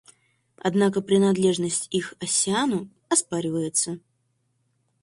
Однако принадлежность их Оссиану оспаривается.